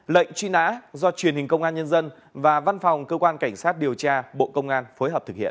lệnh truy nã do truyền hình công an nhân dân và văn phòng cơ quan cảnh sát điều tra bộ công an phối hợp thực hiện